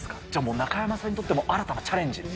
じゃあ、中山さんにとっても新たなチャレンジ？